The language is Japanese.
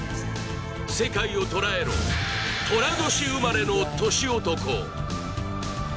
世界を捉えろ、とら年生まれの年男。